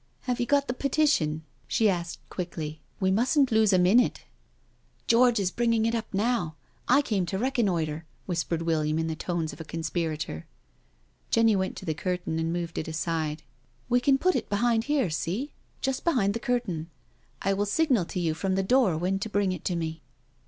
•' Have you got the Petition?" she asked quickly. •• We mustn't lose a minute." •• George is bringing it up now— I came to recon noitre/' whispered Williain in the tones of a conspirator. Jenny went to the curtain and moved it aside. " We can put it behind here, see? Just behind the curtain. I will signal to you from the door when to bring it to me."